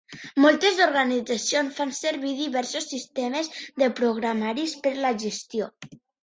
Moltes organitzacions fan servir diversos sistemes de programaris per la gestió.